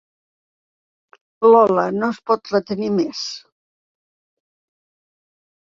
Lola no es pot retenir més.